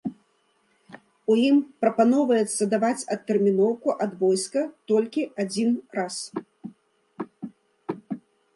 У ім прапаноўваецца даваць адтэрміноўку ад войска толькі адзін раз.